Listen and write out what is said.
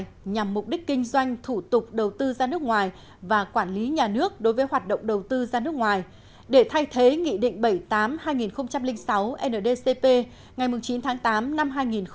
quy định chi tiết về mục đích kinh doanh thủ tục đầu tư ra nước ngoài và quản lý nhà nước đối với hoạt động đầu tư ra nước ngoài để thay thế nghị định bảy mươi tám hai nghìn sáu ndcp ngày chín tháng tám năm hai nghìn sáu